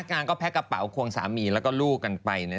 งานก็แพ็กกระเป๋าควงสามีแล้วก็ลูกกันไป